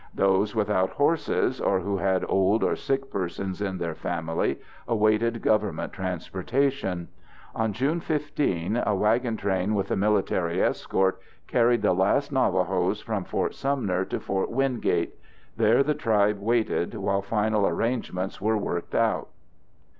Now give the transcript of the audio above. Those without horses or who had old or sick persons in their family awaited Government transportation. On June 15, a wagon train with a military escort carried the last Navajos from Fort Sumner to Fort Wingate. There the tribe waited while final arrangements were worked out.